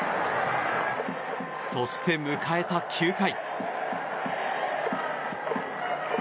そして、迎えた９回。